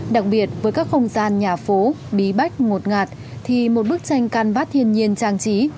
đặc biệt với các không gian nhà phố bí bách ngột ngạt thì một bức tranh căn bát thiên nhiên trang trí